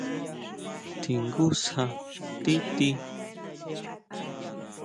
¿Tjingú sjá tíʼti?